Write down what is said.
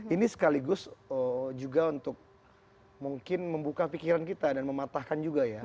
ini sekaligus juga untuk mungkin membuka pikiran kita dan mematahkan juga ya